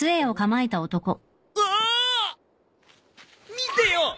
見てよ！